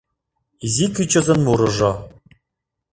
Изи кӱчызын мурыжо